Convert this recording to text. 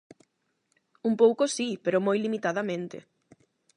Un pouco si, pero moi limitadamente.